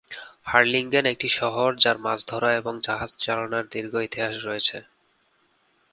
Harlingen একটি শহর যার মাছ ধরা এবং জাহাজ চালনার দীর্ঘ ইতিহাস রয়েছে।